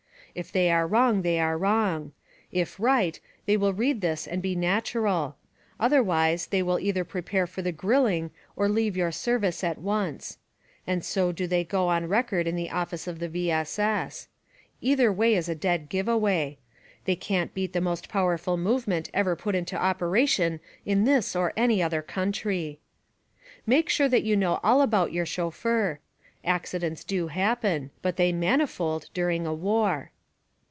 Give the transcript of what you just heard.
If they are wrong they are wrong; if right, they will read this and be natural; otherwise they will either prepare for the grilling or leave your service at once. And so do they go on record in the office of the V. S. S. Either way is a dead give away. They can't beat the most powerful movement ever put into operation in this or any other country. Make sure that you know all about your chauffeur ; accidents do happen. But they manifold during a war.